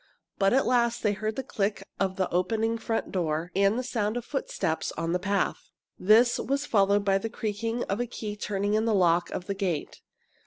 But at last they heard the click of the opening front door and the sound of footsteps on the path. This was followed by the creaking of a key turning in the lock of the gate.